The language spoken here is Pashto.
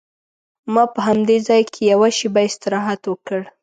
ما په همدې ځای کې یوه شېبه استراحت وکړ.